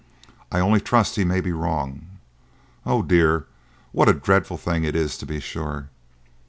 I only trust he may be wrong! Oh dear! What a dreadful thing it is, to be sure!"